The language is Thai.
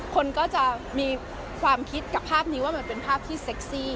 คนก็จะมีความคิดกับภาพนี้ว่ามันเป็นภาพที่เซ็กซี่